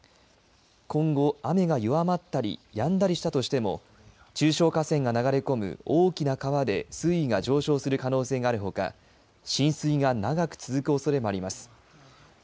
今後、雨が弱まったりやんだりしたとしても中小河川が流れ込む大きな川で水位が上昇する可能性があるほか浸水が長く続くおそれもあります。